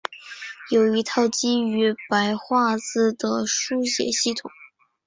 有一套基于白话字的书写系统。